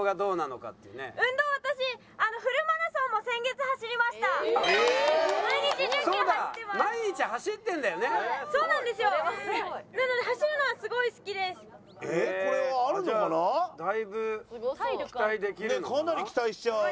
かなり期待しちゃう。